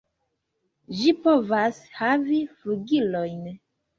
Ĝi povas havi flugilojn.